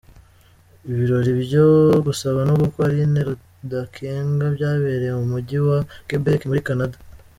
Ibirori byo gusaba no gukwa Aline Rudakenga byabereye mu Mujyi wa Quebec muri Canada.